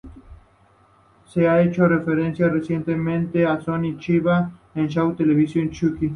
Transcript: Se ha hecho referencia recientemente a Sonny Chiba en el show televisivo "Chuck".